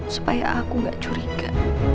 supaya aku gak curiga